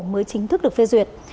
mới chính thức được phê duyệt